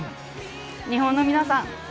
日本の皆さん